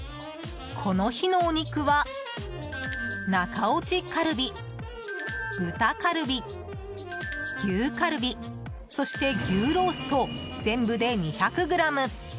この日のお肉は中落ちカルビ、豚カルビ牛カルビ、そして牛ロースと全部で２００ｇ。